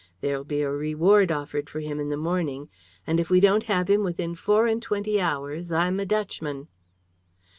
There'll be a reward offered for him in the morning, and if we don't have him within four and twenty hours, I'm a Dutchman."